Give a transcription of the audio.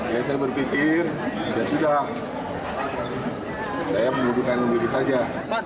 ya saya berpikir ya sudah saya membutuhkan lebih saja